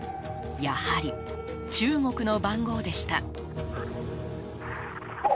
やはり中国の番号でした。